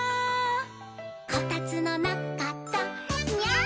「こたつのなかだニャー」